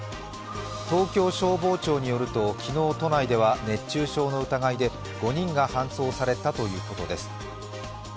東京消防庁によると昨日都内では熱中症の疑いで５人が搬送されたということです。